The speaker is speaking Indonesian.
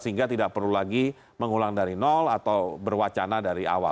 sehingga tidak perlu lagi mengulang dari nol atau berwacana dari awal